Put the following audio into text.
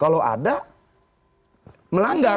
kalau ada melanggar